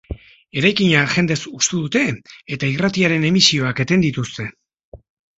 Eraikina jendez hustu dute eta irratiaren emisioak eten dituzte.